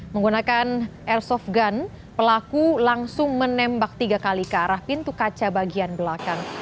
menggunakan airsoft gun pelaku langsung menembak tiga kali ke arah pintu kaca bagian belakang